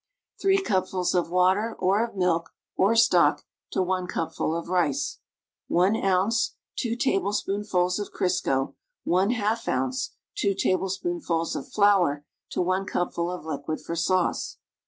3 cupfuls of ;\'atcr, or of milk, or stock, to 1 cupful of rice. 1 ounce (2 tablespoonfuls) of Crisco, li ounce (2 tablespoonfuls) of flour to 1 cupful of liquid for sauce.